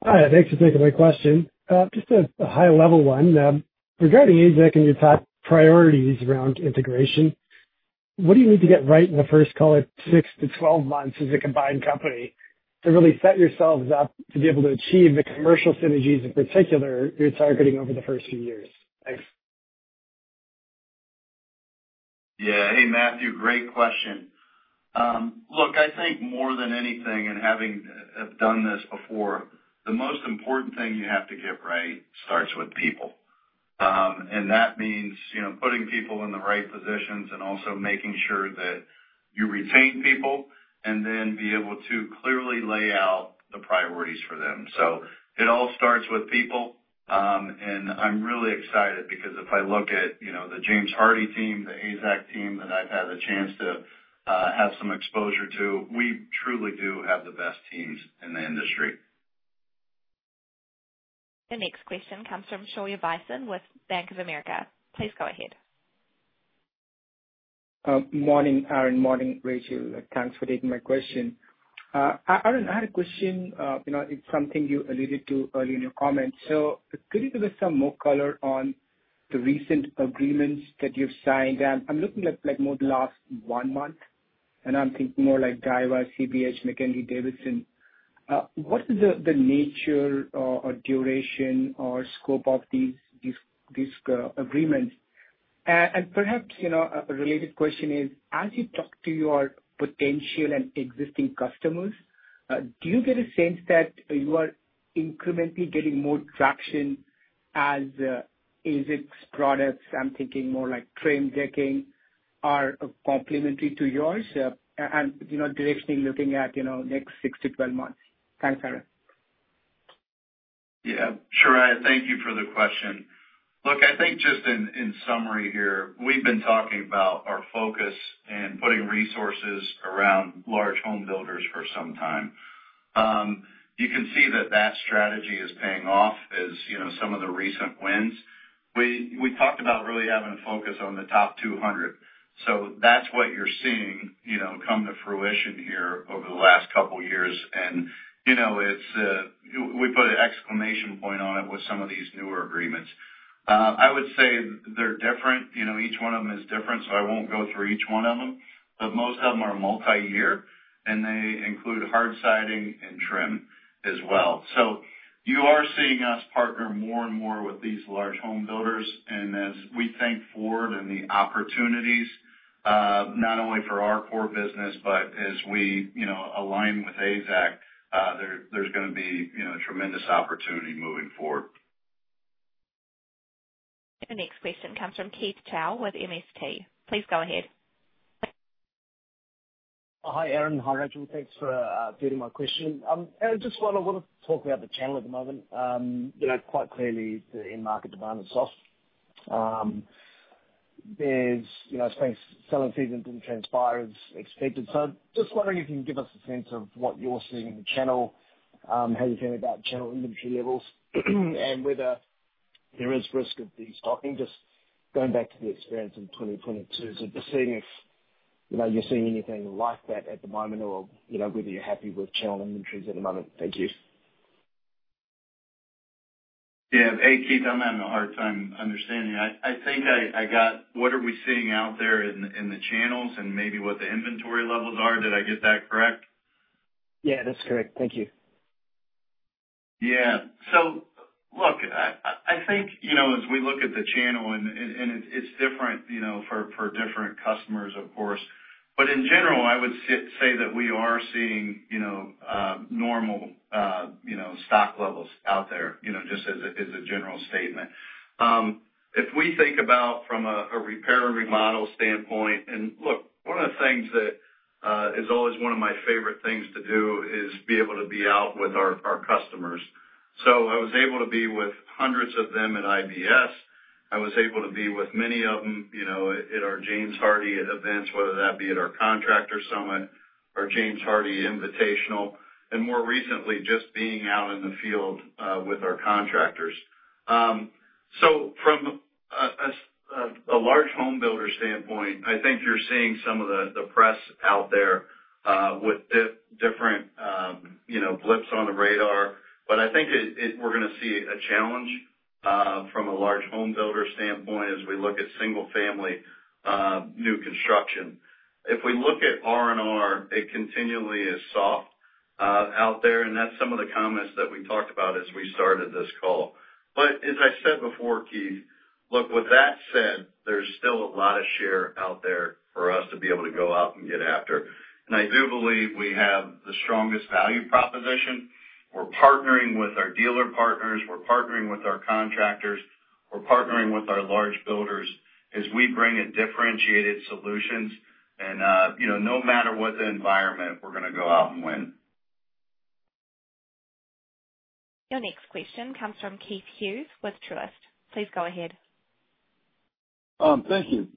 Hi, thanks for taking my question. Just a high-level one regarding AZEK and your top priorities around integration. What do you need to get right in the first, call it 6-12 months as a combined company to really set yourselves up to be able to achieve the commercial synergies in particular you're targeting over the first few years? Thanks. Yeah, hey Matthew, great question. Look, I think more than anything and having done this before, the most important thing you have to get right starts with people. That means putting people in the right positions and also making sure that you retain people and then be able to clearly lay out the priorities for them. It all starts with people, and I'm really excited because if I look at the James Hardie team, the AZEK team that I've had the chance to have some exposure to, we truly do have the best teams in the industry. Your next question comes from Shaurya Visen with Bank of America. Please go ahead. Morning, Aaron. Morning, Rachel. Thanks for taking my question. Aaron, I had a question. It's something you alluded to earlier in your comments. Could you give us some more color on the recent agreements that you've signed? I'm looking at more the last one month, and I'm thinking more like Daiwa, CBH, McKinley, Davidson. What is the nature or duration or scope of these agreements? Perhaps a related question is, as you talk to your potential and existing customers, do you get a sense that you are incrementally getting more traction as AZEK's products? I'm thinking more like trim, decking, are complementary to yours and directionally looking at next 6-12 months. Thanks, Aaron. Yeah, sure. Thank you for the question. Look, I think just in summary here, we've been talking about our focus and putting resources around large home builders for some time. You can see that that strategy is paying off as some of the recent wins. We talked about really having a focus on the top 200. That is what you're seeing come to fruition here over the last couple of years. We put an exclamation point on it with some of these newer agreements. I would say they're different. Each one of them is different, so I won't go through each one of them. Most of them are multi-year, and they include hard siding and trim as well. You are seeing us partner more and more with these large home builders. As we think forward and the opportunities, not only for our core business, but as we align with AZEK, there's going to be a tremendous opportunity moving forward. Your next question comes from Keith Chau with MST. Please go ahead. Hi, Aaron. Hi, Rachel. Thanks for getting my question. Aaron, just while I want to talk about the channel at the moment, quite clearly, the end market demand is soft. I suppose selling season didn't transpire as expected. So just wondering if you can give us a sense of what you're seeing in the channel, how you're feeling about channel inventory levels, and whether there is risk of restocking, just going back to the experience in 2022. Just seeing if you're seeing anything like that at the moment or whether you're happy with channel inventories at the moment. Thank you. Yeah, Keith, I'm having a hard time understanding. I think I got what are we seeing out there in the channels and maybe what the inventory levels are. Did I get that correct? Yeah, that's correct. Thank you. Yeah. I think as we look at the channel, and it's different for different customers, of course. In general, I would say that we are seeing normal stock levels out there just as a general statement. If we think about from a repair and remodel standpoint, and look, one of the things that is always one of my favorite things to do is be able to be out with our customers. I was able to be with hundreds of them at IBS. I was able to be with many of them at our James Hardie events, whether that be at our contractor summit or James Hardie invitational, and more recently, just being out in the field with our contractors. If we look at R&R, it continually is soft out there, and that is some of the comments that we talked about as we started this call. As I said before, Keith, look, with that said, there is still a lot of share out there for us to be able to go out and get after. I do believe we have the strongest value proposition. We are partnering with our dealer partners. We are partnering with our contractors. We are partnering with our large builders as we bring in differentiated solutions. No matter what the environment, we are going to go out and win. Your next question comes from Keith Hughes with Truist. Please go ahead. Thank you.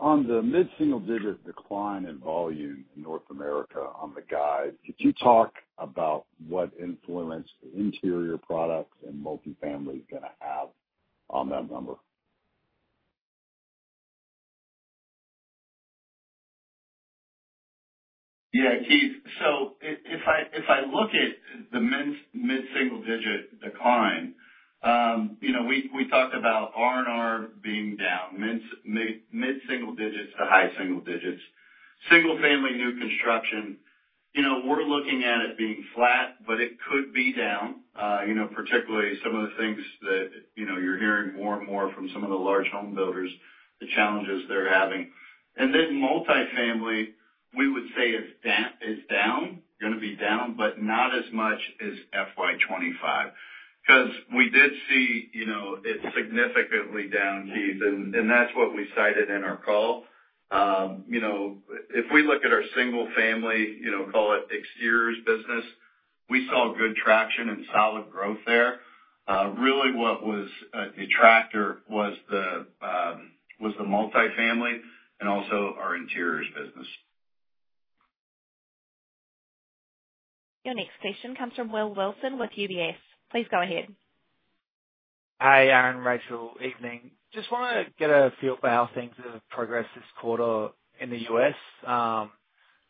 On the mid-single digit decline in volume in North America on the guide, could you talk about what influence interior products and multi-family is going to have on that number? Yeah, Keith. If I look at the mid-single digit decline, we talked about R&R being down, mid-single digits to high single digits. Single-family new construction, we're looking at it being flat, but it could be down, particularly some of the things that you're hearing more and more from some of the large home builders, the challenges they're having. Multi-family, we would say is down, going to be down, but not as much as FY2025 because we did see it's significantly down, Keith, and that's what we cited in our call. If we look at our single-family, call it exteriors business, we saw good traction and solid growth there. Really, what was a detractor was the multi-family and also our interiors business. Your next question comes from Will Wilson with UBS. Please go ahead. Hi, Aaron. Rachel. Evening. Just want to get a feel for how things have progressed this quarter in the U.S. I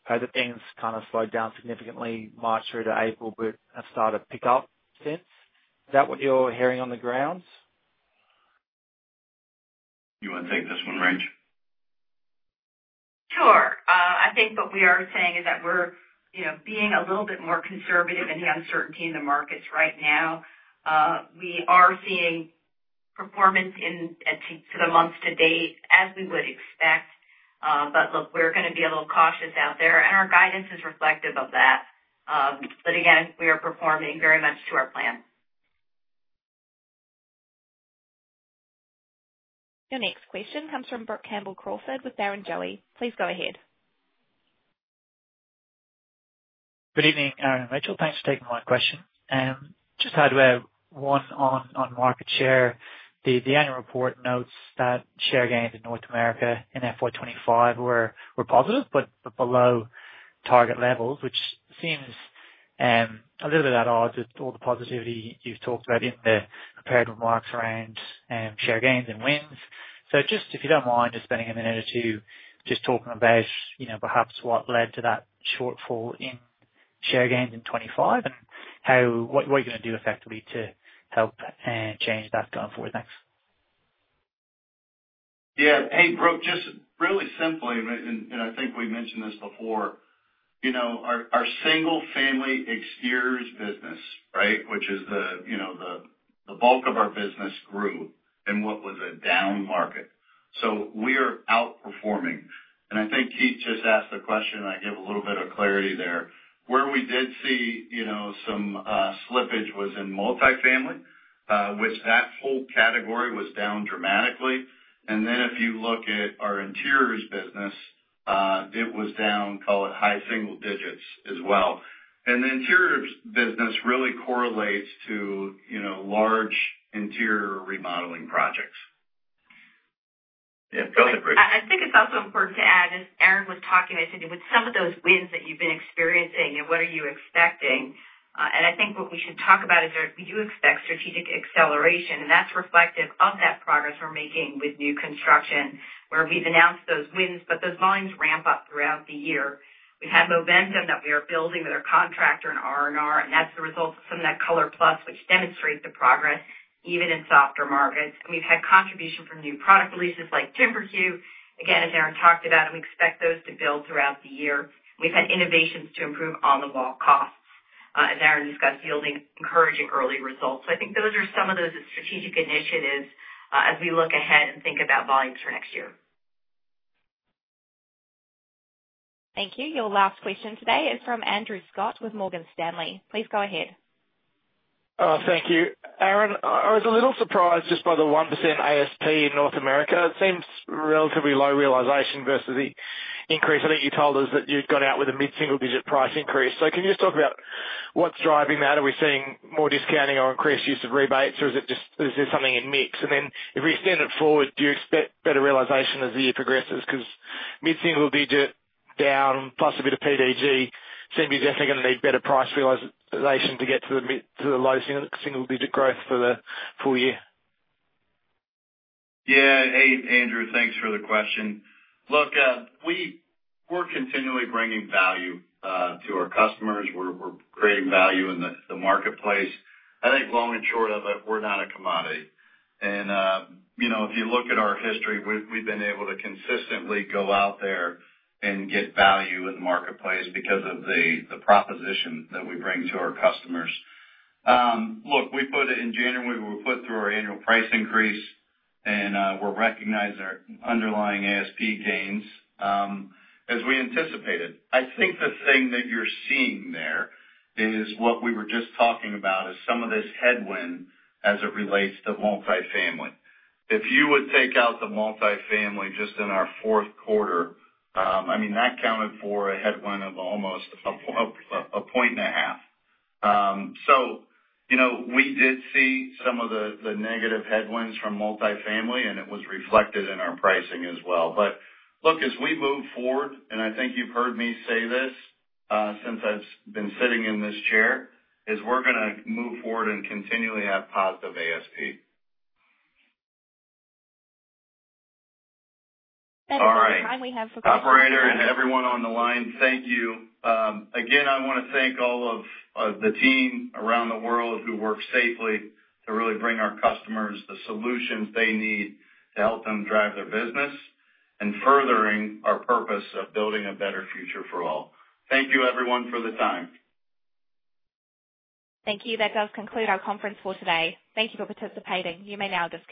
heard that things kind of slowed down significantly March through to April, but have started to pick up since. Is that what you're hearing on the grounds? You want to take this one, Rachel? Sure. I think what we are saying is that we're being a little bit more conservative in the uncertainty in the markets right now. We are seeing performance for the months to date as we would expect. Look, we're going to be a little cautious out there, and our guidance is reflective of that. Again, we are performing very much to our plan. Your next question comes from Brook Campbell-Crawford with Barrenjoey. Please go ahead. Good evening, Aaron. Rachel, thanks for taking my question. Just hardware one on market share. The annual report notes that share gains in North America in 2025 were positive but below target levels, which seems a little bit at odds with all the positivity you've talked about in the prepared remarks around share gains and wins. If you don't mind just spending a minute or two just talking about perhaps what led to that shortfall in share gains in 2025 and what you're going to do effectively to help change that going forward. Thanks. Yeah. Hey, Brook, just really simply, and I think we mentioned this before, our single-family exteriors business, right, which is the bulk of our business, grew in what was a down market. We are outperforming. I think Keith just asked the question, and I gave a little bit of clarity there. Where we did see some slippage was in multi-family, which that whole category was down dramatically. If you look at our interiors business, it was down, call it high single digits as well. The interiors business really correlates to large interior remodeling projects. Yeah. Go ahead, Rachel. I think it is also important to add, as Aaron was talking, I said, with some of those wins that you have been experiencing and what are you expecting? I think what we should talk about is we do expect strategic acceleration, and that is reflective of that progress we are making with new construction where we have announced those wins, but those volumes ramp up throughout the year. We have had momentum that we are building with our contractor and R&R, and that is the result of some of that Color Plus, which demonstrates the progress even in softer markets. We have had contribution from new product releases like TimberTech, again, as Aaron talked about, and we expect those to build throughout the year. We have had innovations to improve on-the-wall costs, as Aaron discussed, yielding encouraging early results. I think those are some of those strategic initiatives as we look ahead and think about volumes for next year. Thank you. Your last question today is from Andrew Scott with Morgan Stanley. Please go ahead. Thank you. Aaron, I was a little surprised just by the 1% ASP in North America. It seems relatively low realization versus the increase. I think you told us that you had gone out with a mid-single digit price increase. Can you just talk about what is driving that? Are we seeing more discounting or increased use of rebates, or is there something in mix? If we extend it forward, do you expect better realization as the year progresses? Because mid-single digit down plus a bit of PDG seems you're definitely going to need better price realization to get to the low single digit growth for the full year. Yeah. Hey, Andrew, thanks for the question. Look, we're continually bringing value to our customers. We're creating value in the marketplace. I think long and short of it, we're not a commodity. If you look at our history, we've been able to consistently go out there and get value in the marketplace because of the proposition that we bring to our customers. Look, we put it in January. We put through our annual price increase, and we're recognizing our underlying ASP gains as we anticipated. I think the thing that you're seeing there is what we were just talking about is some of this headwind as it relates to multi-family. If you would take out the multi-family just in our fourth quarter, I mean, that counted for a headwind of almost a point and a half. We did see some of the negative headwinds from multi-family, and it was reflected in our pricing as well. Look, as we move forward, and I think you've heard me say this since I've been sitting in this chair, we're going to move forward and continually have positive ASP. That's all the time we have for questions. All right. Operator and everyone on the line, thank you. Again, I want to thank all of the team around the world who work safely to really bring our customers the solutions they need to help them drive their business and furthering our purpose of building a better future for all. Thank you, everyone, for the time. Thank you. That does conclude our conference for today. Thank you for participating. You may now disconnect.